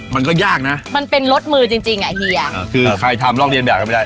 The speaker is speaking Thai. มันก็ยากนะมันเป็นรถมือจริงจริงอ่ะเฮียคือใครทำลอกเรียนแบบก็ไม่ได้